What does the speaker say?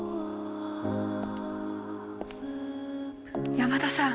山田さん。